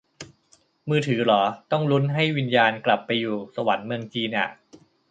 มือถือเหรอ ต้องลุ้นให้วิญญาณกลับไปอยู่สวรรค์เมืองจีนอ่ะ